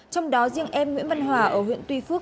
trong đó riêng em nguyễn văn hòa ở huyện tuy phước